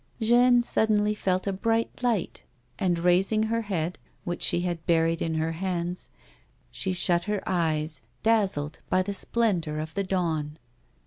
Jeanne suddenly felt a bright light ; and raising her head, which she had buried in her hands, she Bhut her eyes, dazzled by the splendour of the dawn.